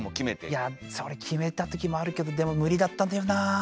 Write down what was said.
いやそれ決めたときもあるけどでも無理だったんだよな。